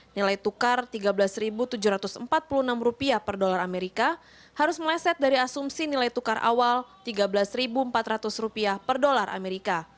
nilai tukar rp tiga belas tujuh ratus empat puluh enam per dolar amerika harus meleset dari asumsi nilai tukar awal rp tiga belas empat ratus per dolar amerika